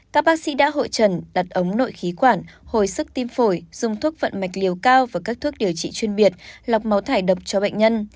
các bác sĩ đã hội trần đặt ống nội khí quản hồi sức tim phổi dùng thuốc vận mạch liều cao và các thuốc điều trị chuyên biệt lọc máu thải độc cho bệnh nhân